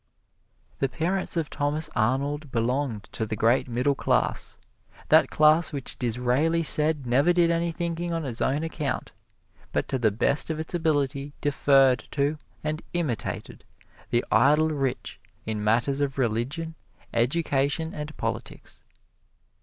The parents of Thomas Arnold belonged to the great Middle Class that class which Disraeli said never did any thinking on its own account, but to the best of its ability deferred to and imitated the idle rich in matters of religion, education and politics.